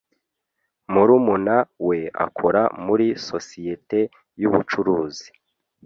Murumuna we akora muri societe yubucuruzi.